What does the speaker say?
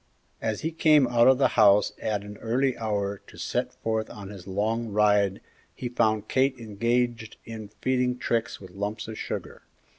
As he came out of the house at an early hour to set forth on his long ride he found Kate engaged in feeding Trix with lumps of sugar.